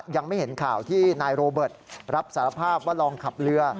ยังไม่เห็นข่าวที่นายโรเบิร์ตรับสารภาพว่าลองขับเรือ